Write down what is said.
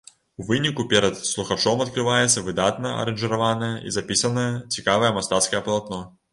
У выніку перад слухачом адкрываецца выдатна аранжыраванае і запісанае, цікавае мастацкае палатно.